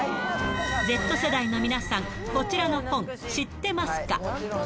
Ｚ世代の皆さん、こちらの本、知ってますか？